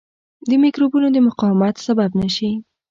د مکروبونو د مقاومت سبب نه شي.